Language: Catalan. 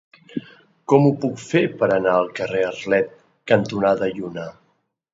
Com ho puc fer per anar al carrer Arlet cantonada Lluna?